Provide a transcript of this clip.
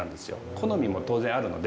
好みも当然あるので。